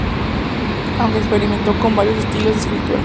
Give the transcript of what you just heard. Aunque experimentó con varios estilos de escritura.